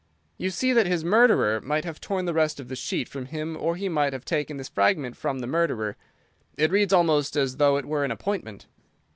You see that his murderer might have torn the rest of the sheet from him or he might have taken this fragment from the murderer. It reads almost as though it were an appointment."